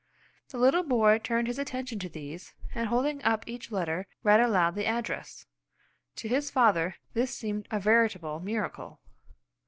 The little boy turned his attention to these, and holding up each letter read aloud the address. To his father this seemed a veritable miracle.